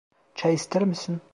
Çay ister misin?